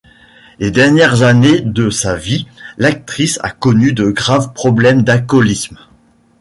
Les dernières années de sa vie, l'actrice a connu de graves problèmes d'alcoolisme.